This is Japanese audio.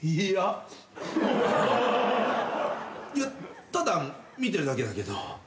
いやただ見てるだけだけど。